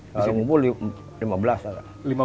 kalau ngumpul ya berapa